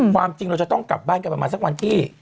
ความจริงเราจะต้องกลับบ้านกันประมาณสักวันที่